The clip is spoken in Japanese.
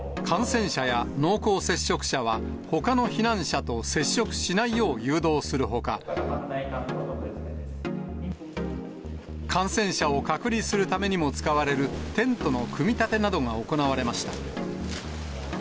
感染者や濃厚接触者は、ほかの避難者と接触しないよう誘導するほか、感染者を隔離するためにも使われるテントの組み立てなどが行われました。